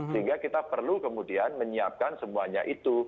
sehingga kita perlu kemudian menyiapkan semuanya itu